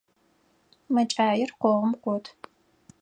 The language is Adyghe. Мэкӏаир къогъум къот.